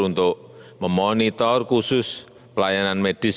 untuk memonitor khusus pelayanan medis